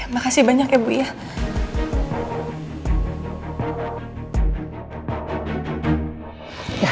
makasih banyak ya bu ya